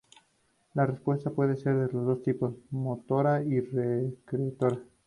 La respuesta puede ser de dos tipos: "motora y secretora.